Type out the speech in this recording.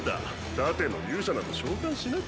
盾の勇者など召喚しなければ。